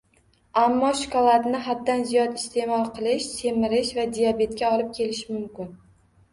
Ammo shokoladni haddan ziyod isteʼmol qilish semirish va diabetga olib kelishi mumkin.